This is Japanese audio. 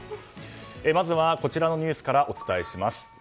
まずは、こちらのニュースからお伝えします。